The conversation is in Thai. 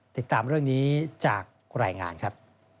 ติดตามเรื่องนี้จากรายงานครับ